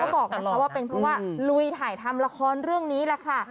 บอกนะคะว่าเป็นเพราะว่าลุยถ่ายทำละครเรื่องนี้แหละค่ะ